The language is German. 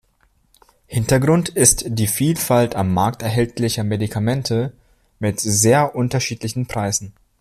Hintergrund ist die Vielfalt am Markt erhältlicher Medikamente mit sehr unterschiedlichen Preisen.